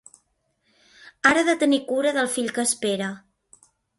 Ara ha de tenir cura del fill que espera.